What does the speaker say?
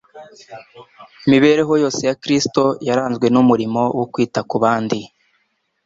Imibereho yose ya Kristo yaranzwe n'umurimo wo kwita ku bandi.